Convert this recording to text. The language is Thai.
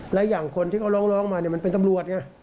และอย่างคนที่เขาร้องมามันเป็นตำรวจไง